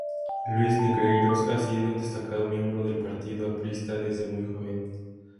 Luis Negreiros ha sido un destacado miembro del Partido Aprista desde muy joven.